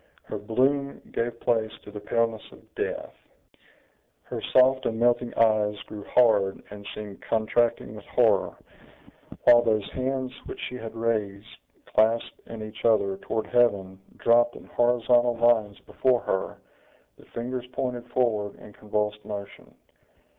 Her bloom gave place to the paleness of death; her soft and melting eyes grew hard, and seemed contracting with horror; while those hands, which she had raised, clasped in each other, toward heaven, dropped in horizontal lines before her, the fingers pointed forward in convulsed motion.